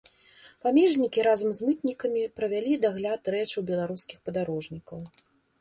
Памежнікі разам з мытнікамі правялі дагляд рэчаў беларускіх падарожнікаў.